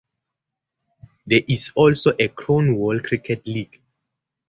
There is also a Cornwall Cricket League.